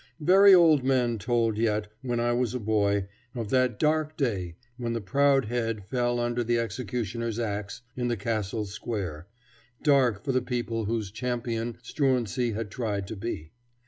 Very old men told yet, when I was a boy, of that dark day when the proud head fell under the executioner's axe in the castle square dark for the people whose champion Struensee had tried to be.